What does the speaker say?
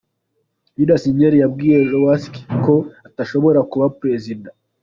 Julius Nyerere yabwiye Lowassa ko atashobora kuba Perezida.